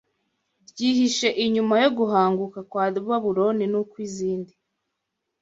ryihishe inyuma yo guhanguka kwa Babuloni n’ukw’izindi